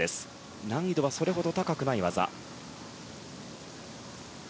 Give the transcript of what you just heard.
難易度はそれほど高くない技。